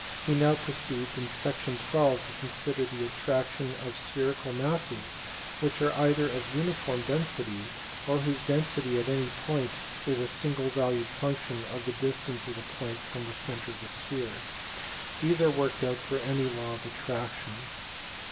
He now proceeds in section twelve to consider the attractions of spherical masses which are either of uniform density, or whose density at any point is a single valued function of the distance of the point from the centre of the sphere. These are worked out for any law of attraction.